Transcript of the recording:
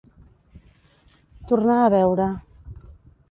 Tornar a veure.